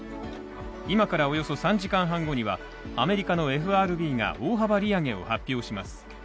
今からおよそ３時間半後には、アメリカのＦＲＢが大幅利上げを発表します。